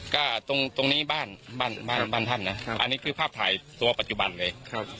ก็ตรงนี้บ้านบ้านท่านนะอันนี้คือภาพถ่ายตัวปัจจุบันเลย